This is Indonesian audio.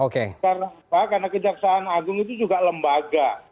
karena kejaksaan agung itu juga lembaga